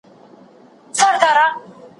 د دوستانو له بېلتون څخه کړېږې